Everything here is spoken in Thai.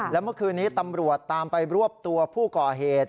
และเมื่อคืนนี้ตำรวจตามไปรวบตัวผู้ก่อเหตุ